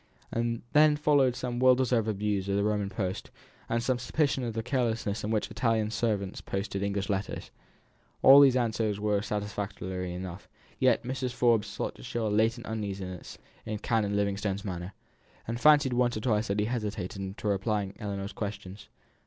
And then followed some well deserved abuse of the Roman post, and some suspicion of the carelessness with which Italian servants posted English letters. All these answers were satisfactory enough, yet Mrs. Forbes thought she saw a latent uneasiness in Canon Livingstone's manner, and fancied once or twice that he hesitated in replying to Ellinor's questions.